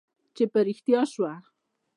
چې په رښتیا وشوه.